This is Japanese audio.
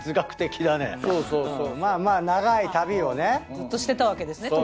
ずっとしてたわけですね。